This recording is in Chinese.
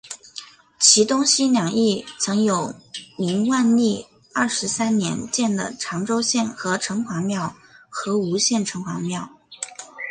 其东西两翼曾有明万历二十三年建的长洲县城隍庙和吴县城隍庙。